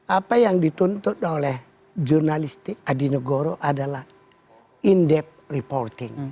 apa yang dituntut oleh jurnalistik adi nugoro adalah in depth reporting